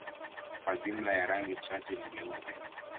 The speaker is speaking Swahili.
kwa jumla ya rangi chache ni nyeupe